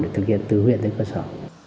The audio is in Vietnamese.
để thực hiện từ huyện đến cơ sở